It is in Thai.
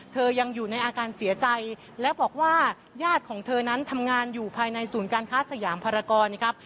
ยังอยู่ในอาการเสียใจและบอกว่าญาติของเธอนั้นทำงานอยู่ภายในศูนย์การค้าสยามภารกรนะครับ